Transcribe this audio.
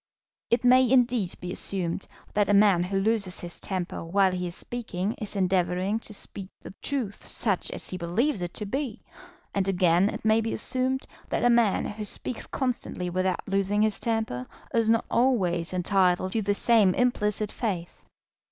It may, indeed, be assumed that a man who loses his temper while he is speaking is endeavouring to speak the truth such as he believes it to be, and again it may be assumed that a man who speaks constantly without losing his temper is not always entitled to the same implicit faith.